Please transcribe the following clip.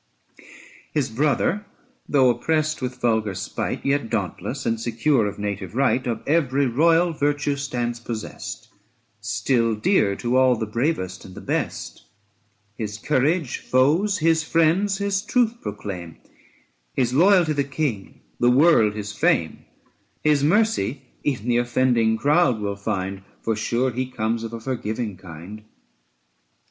His brother, though oppressed with vulgar spite, Yet dauntless and secure of native right, Of every royal virtue stands possest, 355 Still dear to all the bravest and the best. His courage foes, his friends his truth proclaim, His loyalty the King, the world his fame. His mercy even the offending crowd will find, For sure he comes of a forgiving kind.